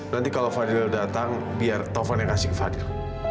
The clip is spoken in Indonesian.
nanti kalau fadil datang biar taufan yang kasih ke fadil